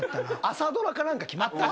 朝ドラか何か決まった？